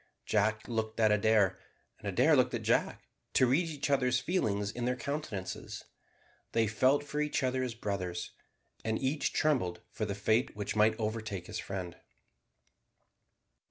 Jack looked at Adair, and Adair looked at Jack, to read each other's feelings in their countenances. They felt for each other as brothers, and each trembled for the fate which might overtake his friend.